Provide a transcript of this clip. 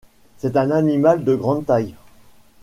C’est un animal de grande taille !